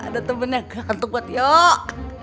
ada temennya ganteng buat yuk